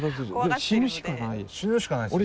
死ぬしかないですよね。